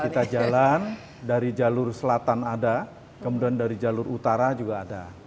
kita jalan dari jalur selatan ada kemudian dari jalur utara juga ada